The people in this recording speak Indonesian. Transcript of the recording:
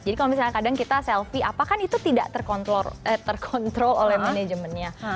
jadi kalau misalnya kadang kita selfie apakah itu tidak terkontrol terkontrol oleh manajemennya